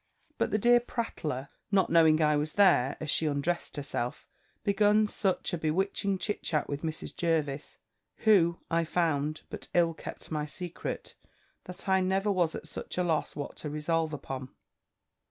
"But the dear prattler, not knowing I was there, as she undressed herself, begun such a bewitching chit chat with Mrs. Jervis, who, I found, but ill kept my secret, that I never was at such a loss what to resolve upon.